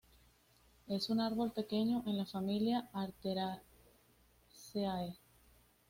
Es un árbol pequeño en la familia Asteraceae.